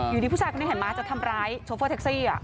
อยู่ดีผู้ชายคนนี้เห็นไหมจะทำร้ายโชเฟอร์แท็กซี่